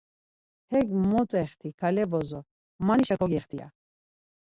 Hek mot exti kale bozo manişa kogexti ya.